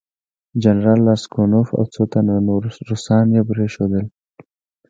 جنرال راسګونوف او څو تنه نور روسان یې پرېښودل.